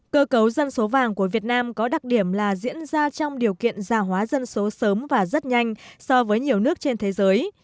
cơ cấu dân số vàng của việt nam có đặc điểm là diễn ra trong điều kiện gia hóa dân số sớm và rất nhanh so với nhiều nước trên thế giới